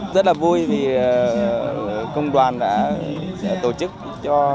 rất là vui vì công đoàn đã tổ chức cho